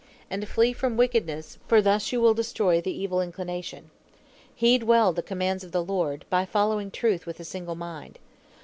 And flee from wickedness, for thus you will destroy the evil inclination. Heed well the commands of the Lord, by following truth with a single mind.